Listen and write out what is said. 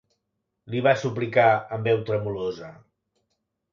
Li va suplicar, amb veu tremolosa.